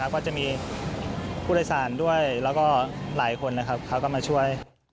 ก็จะมีผู้โดยสารด้วยแล้วก็หลายคนเขาก็มาช่วย